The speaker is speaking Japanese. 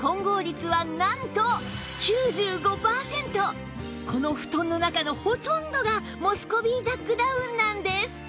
しかも今回その貴重なこの布団の中のほとんどがモスコビーダックダウンなんです